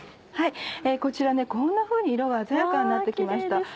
こちらこんなふうに色が鮮やかになって来ました。